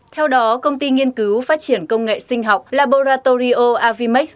theo đó công ty nghiên cứu phát triển công nghệ sinh học laboratorio avimax